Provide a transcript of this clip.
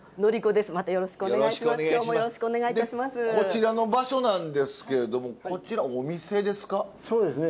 でこちらの場所なんですけれどもこちらお店ですか？